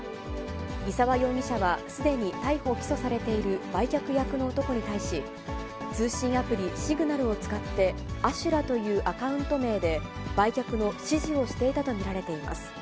伊沢容疑者はすでに逮捕・起訴されている売却役の男に対し、通信アプリ、シグナルを使って、阿修羅というアカウント名で売却の指示をしていたと見られています。